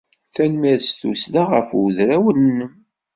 Tanemmirt s tussda ɣef udraw-nnem.